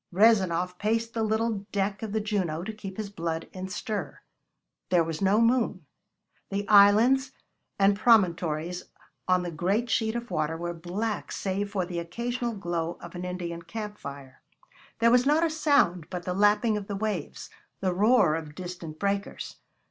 Rezanov paced the little deck of the Juno to keep his blood in stir. There was no moon. The islands and promontories on the great sheet of water were black save for the occasional glow of an Indian camp fire. There was not a sound but the lapping of the waves, the roar of distant breakers.